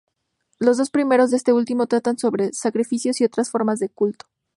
Los dos primeros de este último tratan sobre sacrificios y otras formas de culto.